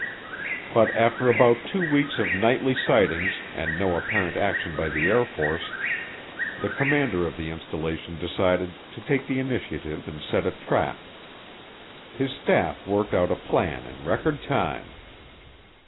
But after about two weeks of nightly sightings and no apparent action by the Air Force, the commander of the installation decided to take the initiative and set a trap. His staff worked out a plan in record time.